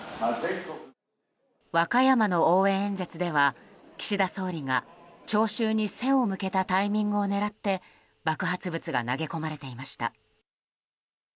和歌山の応援演説では岸田総理が聴衆に背を向けたタイミングを狙って爆発物が投げ込まれていました。